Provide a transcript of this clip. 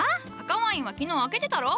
赤ワインは昨日開けてたろ。